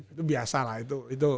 itu biasa lah itu